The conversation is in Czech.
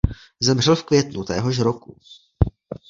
Zemřel v květnu téhož roku.